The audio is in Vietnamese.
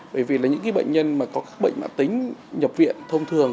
bởi vì là những cái bệnh nhân mà có các bệnh mãn tính nhập viện thông thường